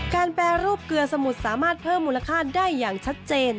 แปรรูปเกลือสมุดสามารถเพิ่มมูลค่าได้อย่างชัดเจน